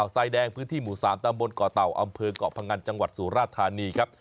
ทรายแดงพื้นที่หมู่๓ตำบลเกาะเต่าอำเภอกเกาะพงันจังหวัดสุราธานีครับ